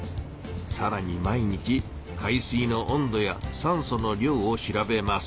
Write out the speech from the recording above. さらに毎日海水の温度やさんその量を調べます。